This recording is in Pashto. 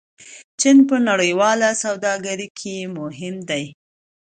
چین په نړیواله سوداګرۍ کې مهم دی.